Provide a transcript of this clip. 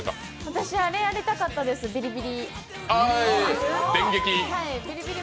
私、あれやりたかったです、ビリビリ。